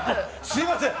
すみません。